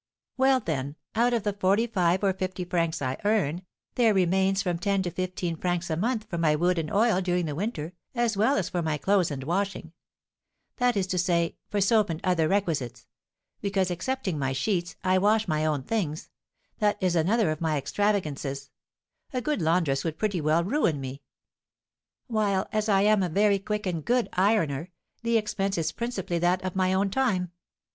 "Well, then, out of the forty five or fifty francs I earn, there remains from ten to fifteen francs a month for my wood and oil during the winter, as well as for my clothes and washing; that is to say, for soap and other requisites; because, excepting my sheets, I wash my own things; that is another of my extravagances, a good laundress would pretty well ruin me; while, as I am a very quick and good ironer, the expense is principally that of my own time.